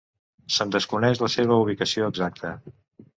Se'n desconeix la seva ubicació exacta.